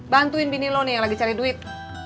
bantuin bini lo nih yang lagi cari duit